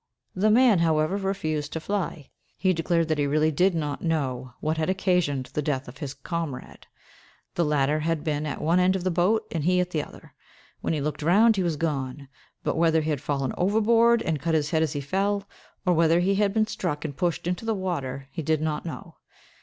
The man, however, refused to fly: he declared that he really did not know what had occasioned the death of his comrade. The latter had been at one end of the boat, and he at the other; when he looked round, he was gone; but whether he had fallen overboard, and cut his head as he fell, or whether he had been struck and pushed into the water, he did not know.